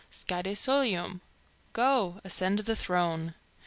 scade solium!" (Go! ascend the throne).